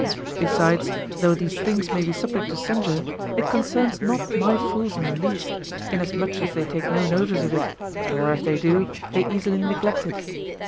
Besides though these things may be subject to censure, it concerns not my fools in the least, inasmuch as they take no notice of it; or if they do, they easily neglect it.